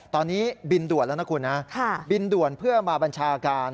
ตอนนี้บินด่วนแล้วนะคุณนะบินด่วนเพื่อมาบัญชาการ